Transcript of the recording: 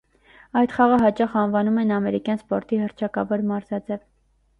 Այդ խաղը հաճախ անվանում են ամերիկյան սպորտի հռչակավոր մարզաձև։